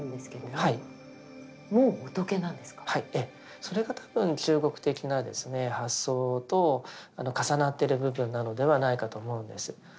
それが多分中国的な発想と重なってる部分なのではないかと思うんです。